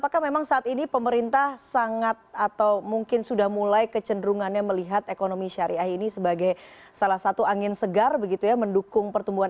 cenderungannya melihat ekonomi syariah ini sebagai salah satu angin segar begitu ya mendukung pertumbuhan